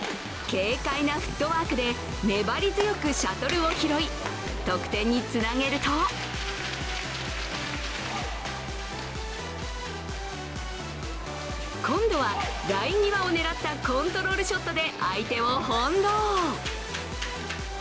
軽快なフットワークで粘り強くシャトルを拾い得点につなげると今度はライン際を狙ったコントロールショットで相手を翻弄。